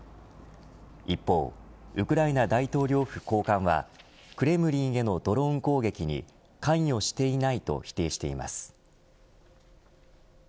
一方、ウクライナ大統領府高官はクレムリンへのドローン攻撃に関与していないと否定しています。